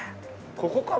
ここかな？